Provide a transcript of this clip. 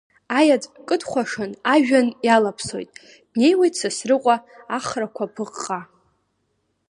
Аеҵә кыдхәашан ажәҩан иалаԥсоит, днеиуеит Сасрыҟәа ахрақәа ԥыҟҟа.